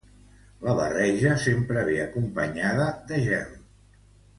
La barreja sempre ve acompanyada de gel.